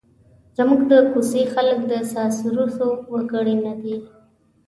زموږ د کوڅې خلک د سازوسرور وګړي نه دي.